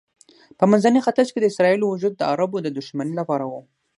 په منځني ختیځ کې د اسرائیلو وجود د عربو د دښمنۍ لپاره و.